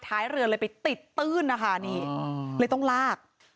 ท้ายเรือเลยไปติดตื้นนะคะนี่เลยต้องลาก